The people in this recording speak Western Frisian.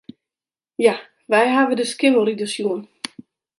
Ja, wy hawwe de Skimmelrider sjoen.